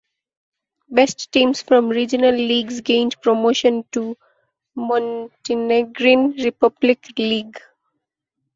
Best teams from Regional leagues gained promotion to Montenegrin Republic League.